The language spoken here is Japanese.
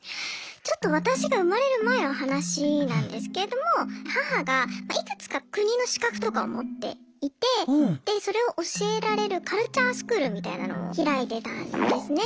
ちょっと私が生まれる前の話なんですけれども母がいくつか国の資格とかを持っていてでそれを教えられるカルチャースクールみたいなのを開いてたんですね。